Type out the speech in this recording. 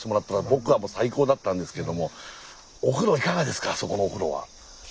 僕はもう最高だったんですけどもお風呂いかがですかあそこのお風呂は？